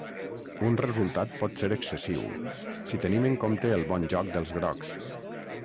Un resultat potser excessiu, si tenim en compte el bon joc dels grocs.